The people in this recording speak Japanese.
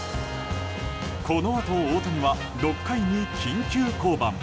このあと大谷は６回に緊急降板。